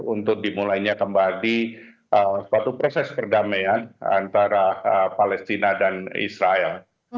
untuk dimulainya kembali suatu proses perdamaian antara palestina dan israel